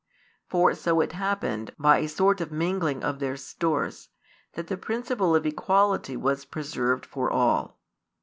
For so it happened, by a sort of mingling of their stores, that the principle of equality was preserved for all.